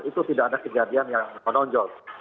itu tidak ada kejadian yang menonjol